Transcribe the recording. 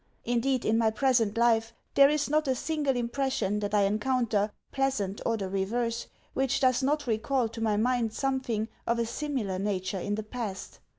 Indeed, in my present life there is not a single impression that I encounter pleasant or the reverse which does not recall to my mind something of a similar nature in the past.